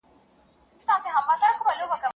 زما څه عبادت په عادت واوښتی,